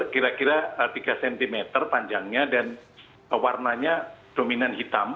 kira kira tiga cm panjangnya dan warnanya dominan hitam